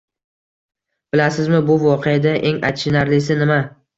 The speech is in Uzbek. Bilasizmi, bu voqeada eng achinarlisi nima?